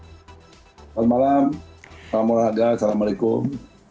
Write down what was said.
selamat malam selamat malam assalamualaikum